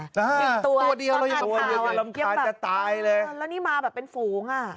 หนึ่งตัวเพราะอ่านข่าวอารมณ์คล้ายแต่ตายเลยแล้วนี่มาแบบเป็นฝูง